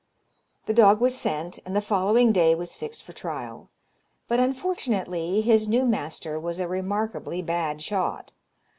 The dog was sent, and the following day was fixed for trial; but, unfortunately, his new master was a remarkably bad shot.